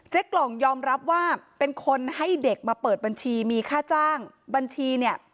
กล่องยอมรับว่าเป็นคนให้เด็กมาเปิดบัญชีมีค่าจ้างบัญชีเนี่ย